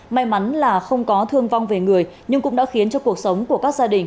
may mắn là không có thương vong về người nhưng cũng đã khiến cho cuộc sống của các gia đình